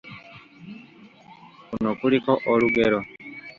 Kuno kuliko olugero?